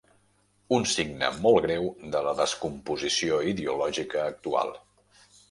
Un signe molt greu de la descomposició ideològica actual.